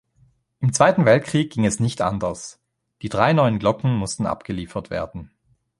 Im Zweiten Weltkrieg ging es nicht anders: die drei neuen Glocken mussten abgeliefert werden.